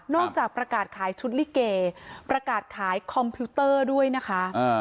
จากประกาศขายชุดลิเกประกาศขายคอมพิวเตอร์ด้วยนะคะ